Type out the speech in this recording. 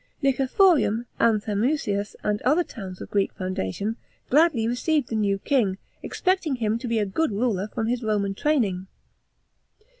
Nicephorium, Anthemusias, and other towns of Greek foundation, gladly received the new king, expecting him to be a good ruler from his Roman training.